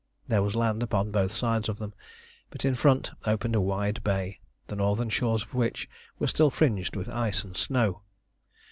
There was land upon both sides of them, but in front opened a wide bay, the northern shores of which were still fringed with ice and snow.